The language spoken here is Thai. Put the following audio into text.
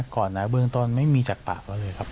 ก่อนนะเบื้องต้นไม่มีจากปากเขาเลยครับ